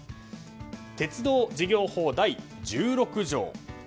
鉄道事業法第１６条。